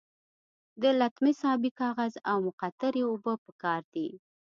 د لتمس ابي کاغذ او مقطرې اوبه پکار دي.